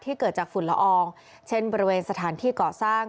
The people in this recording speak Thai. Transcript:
เกิดจากฝุ่นละอองเช่นบริเวณสถานที่ก่อสร้าง